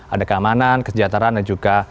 adekamanan kesejahteraan dan juga